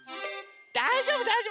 だいじょうぶだいじょうぶ